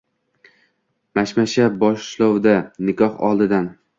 Mashmasha boshlovdi nikoh oldidan.